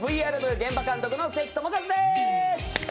現場監督の関智一です。